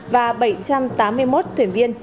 và bảy trăm tám mươi một thuyền viên